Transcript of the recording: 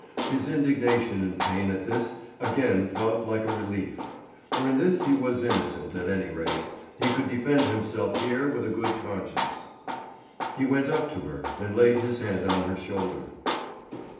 His indignation and pain at this again felt like a relief; for in this he was innocent at any rate; he could defend himself here with a good conscience. He went up to her, and laid his hand on her shoulder.